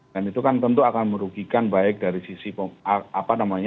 dan itu kan tentu akan merugikan baik dari sisi apa namanya